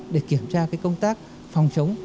để kiểm tra công tác phòng chống